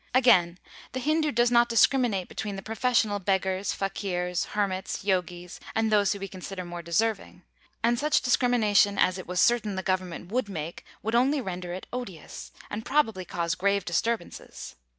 Again, the Hindoo does not discriminate between the professional beggars, fakirs, hermits, yogis, and those whom we consider more deserving: and such discrimination as it was certain the government would make would only render it odious, and probably cause grave disturbances.